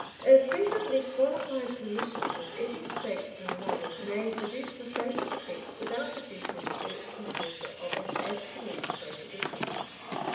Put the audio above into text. A suitably qualified permission, as every statesman knows, may produce the social effects without producing the irksome pressure of an absolute prohibition.